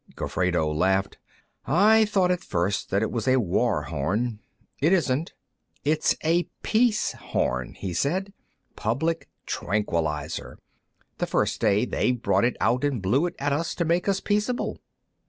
Gofredo laughed. "I thought, at first, that it was a war horn. It isn't. It's a peace horn," he said. "Public tranquilizer. The first day, they brought it out and blew it at us to make us peaceable."